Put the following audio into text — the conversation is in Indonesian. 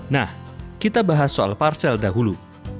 nah kita bahas soal parcel dahulu